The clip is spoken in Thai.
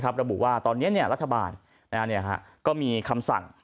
ระบุว่าตอนนี้รัฐบาลก็มีคำสั่ง